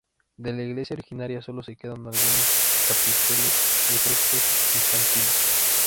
De la iglesia original sólo quedan algunos capiteles y frescos bizantinos.